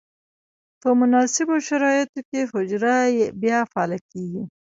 په مناسبو شرایطو کې حجره بیا فعاله کیږي.